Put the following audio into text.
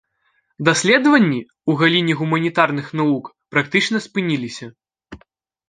Даследаванні ў галіне гуманітарных навук практычна спыніліся.